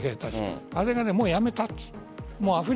あれがもうやめたと。」